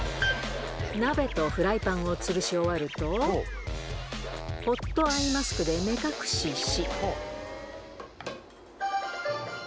鍋とフライパンをつるし終わると、ホットアイマスクで目隠しし。